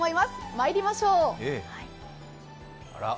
まいりましょう。